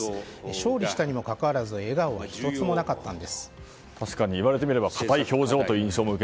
勝利したにもかかわらず笑顔は１つもなかったんです。